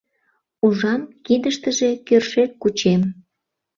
Ужам: кидыштыже кӧршӧк кучем.